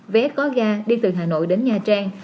vé có ga đi từ hà nội đến nha trang